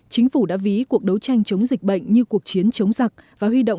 chính phủ đã ví cuộc đấu tranh chống dịch bệnh như cuộc chiến chống giặc và huy động